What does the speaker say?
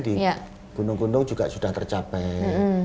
di gunung gunung juga sudah tercapai